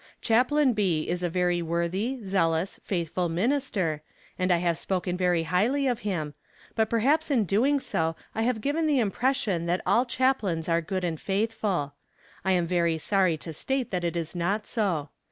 Chaplain B. is a very worthy, zealous, faithful minister, and I have spoken very highly of him, but perhaps in doing so I have given the impression that all chaplains are good and faithful. I am very sorry to state that it is not so.